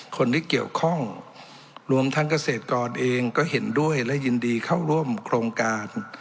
คนที่เกี่ยวข้องรวมทั้งเกษตรกรเองก็เห็นด้วยและยินดีเข้าร่วมโครงการ